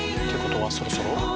ってことはそろそろ？